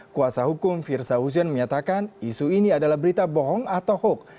kuasa hukum firza hussein menyatakan isu ini adalah berita bohong atau hoax